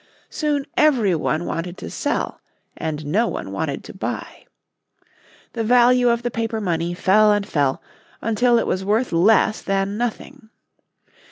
Soon every one wanted to sell, and no one wanted to buy. The value of the paper money fell and fell, until it was worth less than nothing.